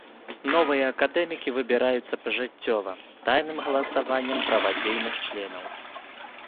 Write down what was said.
Новыя акадэмікі выбіраюцца пажыццёва, тайным галасаваннем правадзейных членаў.